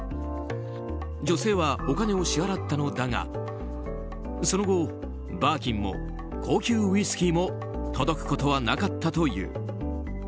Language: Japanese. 女性は、お金を支払ったのだがその後バーキンも高級ウイスキーも届くことはなかったという。